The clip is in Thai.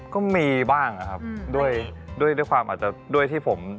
ก็มีบ้างครับด้วยที่ผม